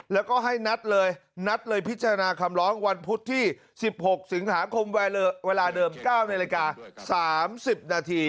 แล้วก็ให้นัดเลยนัดเลยพิจารณาคำร้องวันพุธที่๑๖สิงหาคมเวลาเดิม๙นาฬิกา๓๐นาที